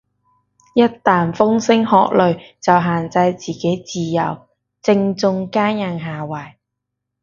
一但風聲鶴唳就限制自己自由，正中奸人下懷